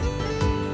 selamat malam salma